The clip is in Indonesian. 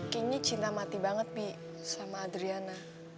kayaknya cinta mati banget be sama adriana